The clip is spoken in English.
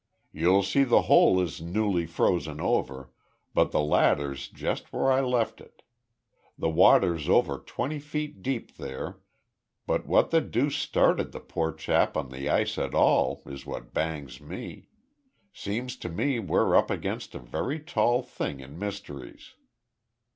"You'll see the hole is newly frozen over, but the ladder's just where I left it. The water's over twenty feet deep there, but what the deuce started the poor chap on the ice at all is what bangs me. Seems to me we're up against a very tall thing in mysteries."